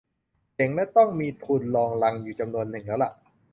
เจ๋งและต้องมีทุนรองรังอยู่จำนวนหนึ่งแล้วล่ะ